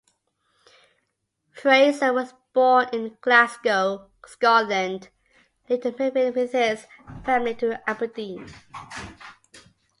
Fraser was born in Glasgow, Scotland, later moving with his family to Aberdeen.